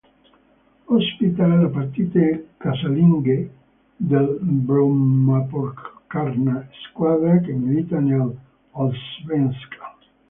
Ospita le partite casalinghe del Brommapojkarna, squadra che milita nell'Allsvenskan.